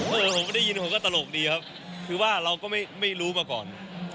ผมก็ได้ยินผมก็ตลกดีครับคือว่าเราก็ไม่รู้มาก่อน